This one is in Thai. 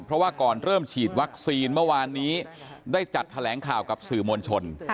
เพราะว่าก่อนเริ่มฉีดวัคซีนเมื่อวานนี้ได้จัดแถลงข่าวกับสื่อมวลชน